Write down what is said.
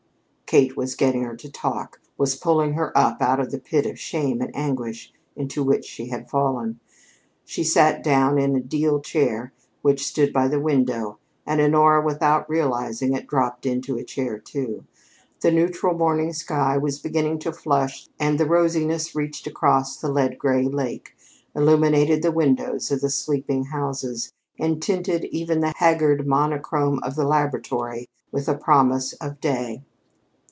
Kate was getting her to talk; was pulling her up out of the pit of shame and anguish into which she had fallen. She sat down in a deal chair which stood by the window, and Honora, without realizing it, dropped into a chair, too. The neutral morning sky was beginning to flush and the rosiness reached across the lead gray lake, illuminated the windows of the sleeping houses, and tinted even the haggard monochrome of the laboratory with a promise of day.